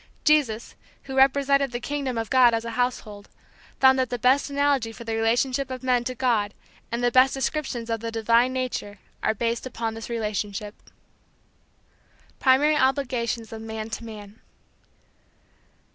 Jesus, who represented the kingdom of God as a household, found that the best analogy for the relationship of men to God and the best descriptions of the divine nature are based upon this relationship. V. PRIMARY OBLIGATIONS OF MAN TO MAN.